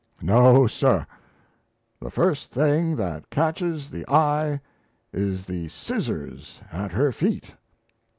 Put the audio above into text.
No, sir. The first thing that catches the eye is the scissors at her feet.